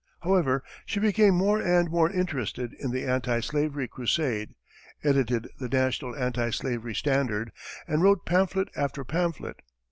However, she became more and more interested in the anti slavery crusade, edited the "National Anti Slavery Standard," and wrote pamphlet after pamphlet.